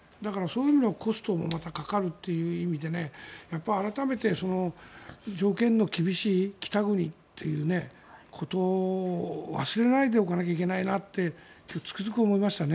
だからコストもかかるという意味で改めて条件の厳しい北国ということを忘れないでおかなきゃいけないなとつくづく思いますね。